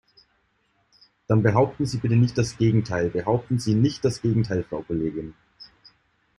Dann behaupten Sie bitte nicht das Gegenteil. Behaupten Sie nicht das Gegenteil, Frau Kollegin.